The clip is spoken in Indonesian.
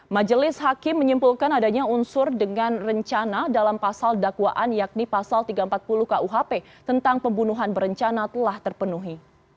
majelis hakim menyimpulkan adanya unsur dengan rencana dalam pasal dakwaan yakni pasal tiga ratus empat puluh kuhp tentang pembunuhan berencana telah terpenuhi